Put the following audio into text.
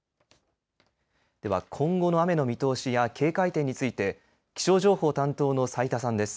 では今後の雨の見通しや警戒点について気象情報担当の斉田さんです。